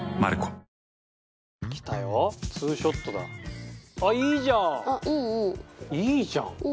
あっいいじゃん！